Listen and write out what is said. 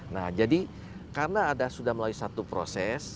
nah jadi karena ada sudah melalui satu proses